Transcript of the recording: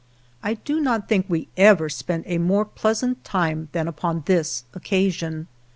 I do not think we ever spent a more pleasant time than upon this occasion.